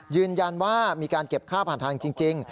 ยืนยันว่ามีการเก็บค่าผ่านทางจริง